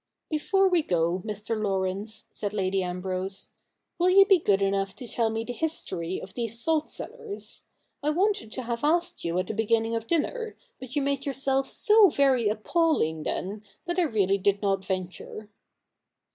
' Before we go, Mr. Laurence,' said Lady Ambrose, ' will you be good enough to tell me the history of these salt cellars? I wanted to have asked you at the beginning of dinner, but you made yourself so very appalling then, that I really did not venture.'